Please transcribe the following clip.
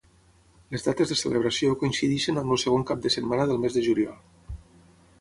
Les dates de celebració coincideixen amb el segon cap de setmana del mes de juliol.